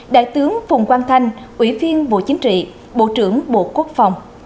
đại tướng phùng quang thanh ủy viên bộ chính trị bộ trưởng bộ quốc phòng